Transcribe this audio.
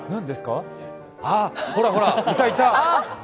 あっ、ほらほら、いたいた。